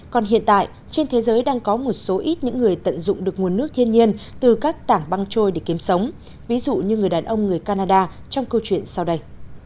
còn hiện tại trên thế giới đang có một số ít những người tận dụng được nguồn nước thiên nhiên từ các tảng băng trôi để kiếm sống ví dụ như người đàn ông người canada trong câu chuyện sau đây